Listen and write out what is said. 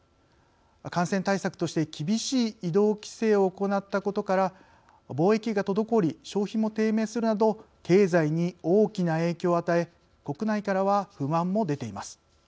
感染対策として厳しい移動規制を行ったことから貿易が滞り、消費も低迷するなど経済に大きな影響を与え国内からは不満も出ています。